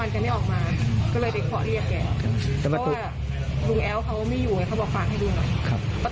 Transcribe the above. แต่ตอนเย็นเอกก็ไม่ออกมาแล้วเมื่อวานทั้งวันเอกไม่ออกมา